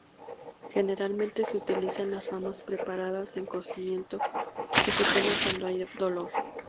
Generalmente se utilizan las ramas preparadas en cocimiento, que se toma cuando hay dolor.